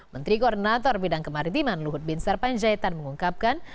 menteri koordinator bidang kemaritiman luhut bin sarpanjaitan mengungkapkan